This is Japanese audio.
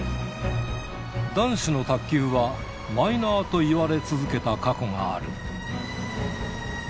男子の卓球はマイナーといわれ続けた過去がある。